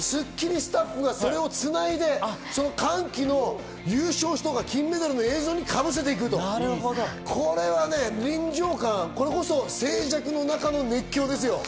スタッフがそれをつないで、歓喜の金メダルの映像にかぶせていくとこれこそ静寂の中の熱狂ですよ。